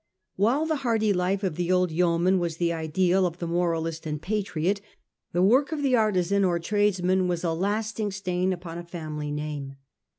While the hardy life of the old yeoman was the ideal of the moral ist and patriot, the work of the artizan or tradesman was a lasting stain upon a family name.